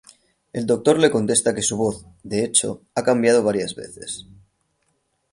El Doctor le contesta que su voz ""de hecho" ha cambiado varias veces".